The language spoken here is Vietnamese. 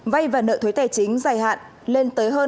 vay và nợ thuê tài chính dành cho tài chính ngắn hạn